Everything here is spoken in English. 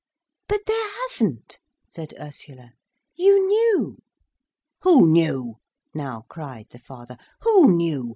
"But there hasn't," said Ursula. "You knew." "Who knew?" now cried the father. "Who knew?